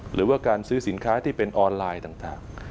หรือว่าการซื้อสินค้าที่เป็นออนไลน์ต่าง